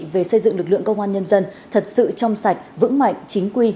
về xây dựng lực lượng công an nhân dân thật sự trong sạch vững mạnh chính quy